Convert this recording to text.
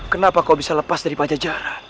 kenapa kau bisa lepas dari pajajaran